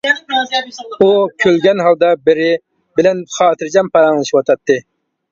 ئۇ كۈلگەن ھالدا بىرى بىلەن خاتىرجەم پاراڭلىشىۋاتاتتى.